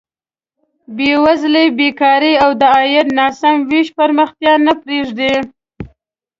بېوزلي، بېکاري او د عاید ناسم ویش پرمختیا نه پرېږدي.